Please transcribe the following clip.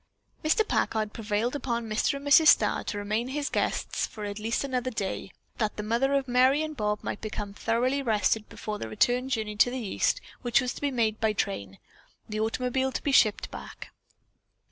Mr. Packard prevailed upon Mrs. and Mr. Starr to remain as his guests for at least another day, that the mother of Merry and Bob might become thoroughly rested before the return journey to the East, which was to be made by train, the automobile to be shipped back.